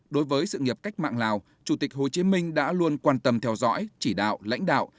đối với sự nghiệp cách mạng lào chủ tịch hồ chí minh đã luôn quan tâm theo dõi chỉ đạo lãnh đạo